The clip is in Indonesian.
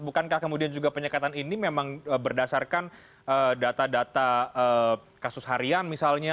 bukankah kemudian juga penyekatan ini memang berdasarkan data data kasus harian misalnya